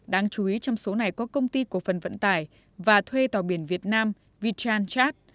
đáng chú ý trong số này có công ty cổ phần vận tải và thuê tàu biển việt nam vichal chat